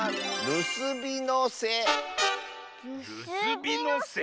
るすびのせ？